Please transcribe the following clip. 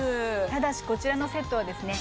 ただしこちらのセットはですね